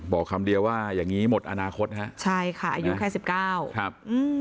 บอกคำเดียวว่าอย่างงี้หมดอนาคตฮะใช่ค่ะอายุแค่สิบเก้าครับอืม